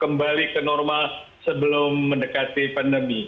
kembali ke normal sebelum mendekati pandemi